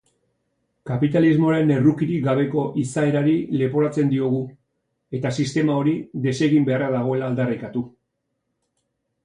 Kapitalismoaren errukirik gabeko izaerari leporatzen diogu eta sistema hori desegin beharra dagoela aldarrikatu.